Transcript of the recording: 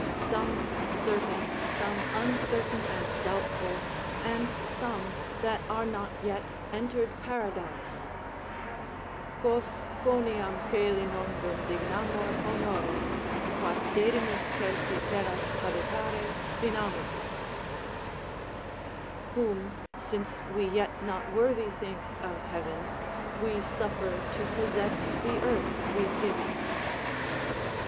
Some certain, some uncertain and doubtful, and some that are not yet entered Paradise: Quos, quoniam coli nondum dignamur honore, Quas dedimus certè terras habitare sinanras: "Whom, since we yet not worthy think of heaven, We suffer to possess the earth we've given."